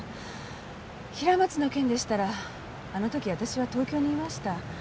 平松の件でしたらあの時私は東京にいました。